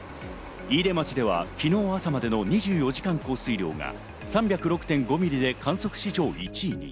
飯豊町では昨日朝までの２４時間降水量が３０６．５ミリで観測史上１位に。